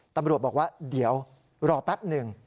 ตำรวจบอกว่าเดี๋ยวรอแป๊บหนึ่ง